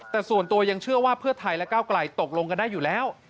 แต่ส่วนตัวยังเชื่อว่าเพื่อไทยและก้าวไกลตกลงกันได้อยู่แล้ว